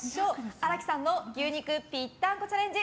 荒木さんの牛肉ぴったんこチャレンジ